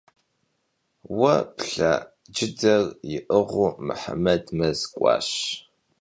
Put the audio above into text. Vue plha cıder yi'ığıu Muhemed mez k'uaş.